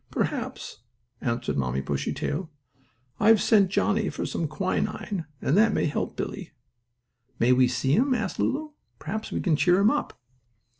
"Perhaps," answered Mamma Bushytail. "I have sent Johnnie for some quinine, and that may help Billie." "May we see him?" asked Lulu. "Perhaps we can cheer him up."